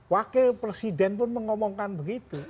wakil presiden pun mengomongkan begitu